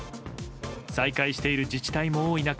再開している自治体も多い中